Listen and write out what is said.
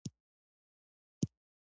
دی وايي نخرې دي وي رشوت دي وي